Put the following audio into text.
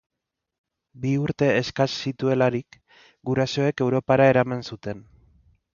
Bi urte eskas zituelarik, gurasoek Europara eraman zuten.